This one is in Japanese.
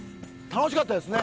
楽しかったですね。